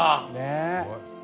すごい。